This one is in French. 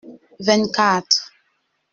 Vingt-quatre.